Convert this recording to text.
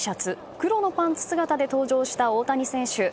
黒のパンツ姿で登場した大谷選手。